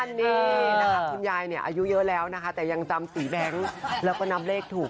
นี่นะคะคุณยายเนี่ยอายุเยอะแล้วนะคะแต่ยังจำสีแบงค์แล้วก็นับเลขถูก